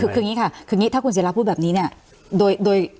คืออย่างนี้ค่ะคืออย่างนี้ถ้าคุณศิราพูดแบบนี้เนี่ยโดย